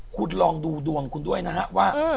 คุณลองดูดวงคุณด้วยนะฮะว่า